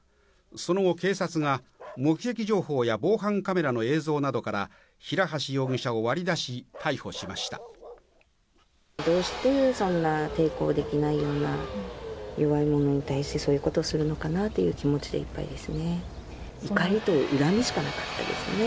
その後、警察が目撃情報や防犯カメラの映像などから平橋容疑者を割り出しどうしてそんな、抵抗できないような弱いものに対して、そういうことをするのかなっていう気持ちでいっぱいですね。